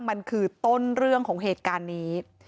มันคือต้นเรื่องของเหตุการณ์นี้